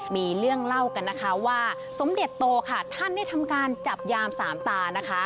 มีเรื่องเล่ากันนะคะว่าสมเด็จโตค่ะท่านได้ทำการจับยามสามตานะคะ